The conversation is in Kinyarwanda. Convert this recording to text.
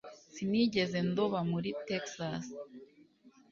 Sinigeze ndoba muri Texas